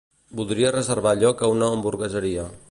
Voldria reservar lloc a una hamburgueseria.